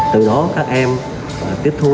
từ đó các em tiếp thu